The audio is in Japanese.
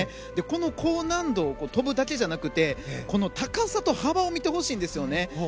この高難度を跳ぶだけじゃなくてこの高さと幅を見てほしいんですよね。